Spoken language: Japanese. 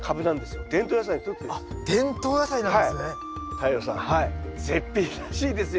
太陽さん絶品らしいですよ